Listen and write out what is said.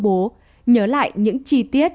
anh vinh công bố nhớ lại những chi tiết